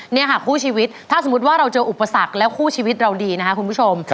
นี่ค่ะคู่ชีวิตถ้าสมมุติว่าเราเจออุปสรรคแล้วคู่ชีวิตเราดีนะคะคุณผู้ชม